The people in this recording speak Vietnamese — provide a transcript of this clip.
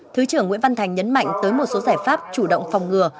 thứ trưởng nguyễn văn thành nhấn mạnh tới một số giải pháp chủ động phòng ngừa